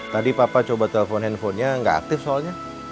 tadi papa coba telfon handphonenya gak aktif soalnya